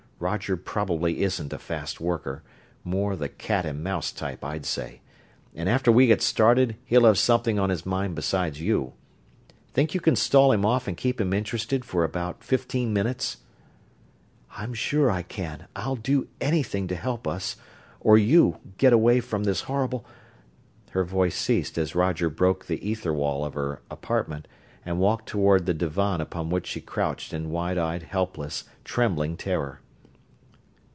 Roger probably isn't a fast worker more the cat and mouse type, I'd say and after we get started he'll have something on his mind besides you. Think you can stall him off and keep him interested for about fifteen minutes?" "I'm sure I can I'll do anything to help us, or you, get away from this horrible...." Her voice ceased as Roger broke the ether wall of her apartment and walked toward the divan upon which she crouched in wide eyed, helpless, trembling terror.